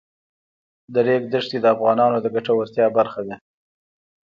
د ریګ دښتې د افغانانو د ګټورتیا برخه ده.